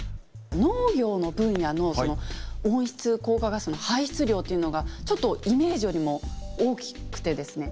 農業の分野の温室効果ガスの排出量というのがちょっとイメージよりも大きくてですね。